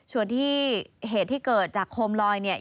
ส่วนที่เหตุที่เกิดจากโคมลอยเนี่ย